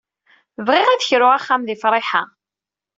Bɣiɣ ad kruɣ axxam di Friḥa.